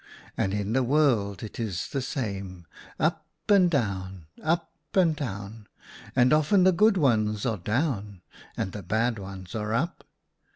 And in the world it is the same — up and down, up and down. And often the good ones are down and the bad ones are up.